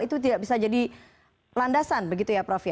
itu tidak bisa jadi landasan begitu ya prof ya